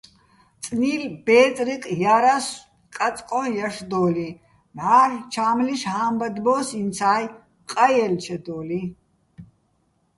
წნილბე́წრიკ ჲარასო̆ კაწკოჼ ჲაშდო́ლიჼ, მჵა́რლ ჩა́მლიშ ჰა́მბადბო́ს ინცა́ჲ, ყაჲალჩედო́ლიჼ.